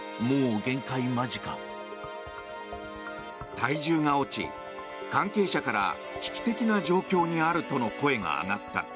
体重が落ち、関係者から危機的な状況にあるとの声が上がった。